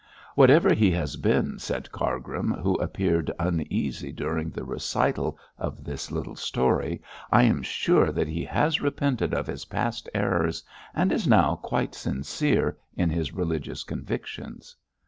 'Whatever he has been,' said Cargrim, who appeared uneasy during the recital of this little story, 'I am sure that he has repented of his past errors and is now quite sincere in his religious convictions.'